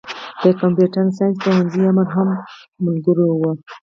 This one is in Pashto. د کمپيوټر ساينس پوهنځي امر هم ملګری و.